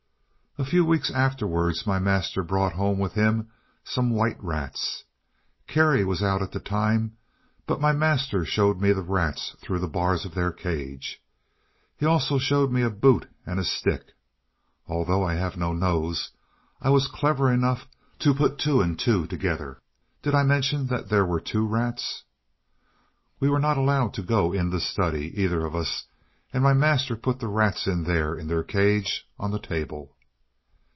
A few weeks afterwards my master brought home with him some white rats. Kerry was out at the time, but my master showed me the rats through the bars of their cage. He also showed me a boot and a stick. Although I have no nose, I was clever enough to put two and two together. Did I mention that there were two rats? We were not allowed to go in the study, either of us, and my master put the rats there in their cage on the table.